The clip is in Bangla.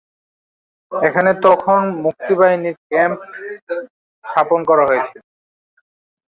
এখানেই তখন মুক্তিবাহিনীর ক্যাম্প স্থাপন করা হয়েছিল।